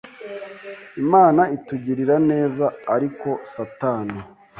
Imana itugirira neza ariko satani